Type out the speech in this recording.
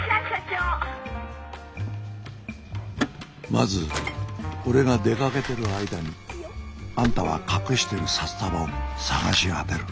まず俺が出かけてる間にあんたは隠してる札束を探し当てる。